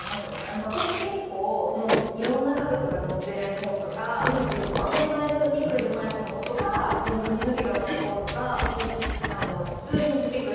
私結構いろんな家族が載ってる絵本とか当たり前のように車いすの子とか髪の毛がない子とか普通に出てくる絵本とか。